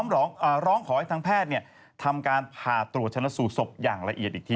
ร้องร้องขอให้ทางแพทย์ทำการผ่าตรวจชนะสูตรศพอย่างละเอียดอีกที